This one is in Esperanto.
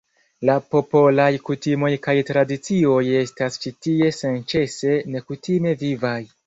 La popolaj kutimoj kaj tradicioj estas ĉi tie senĉese nekutime vivaj.